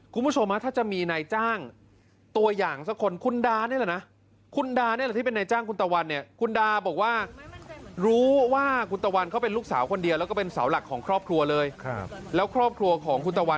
คุณผู้ชมฮะถ้าจะมีในจ้างตัวอย่างสักคนคุณดาเนี่ยแหละนะ